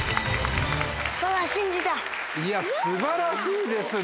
いや素晴らしいですね。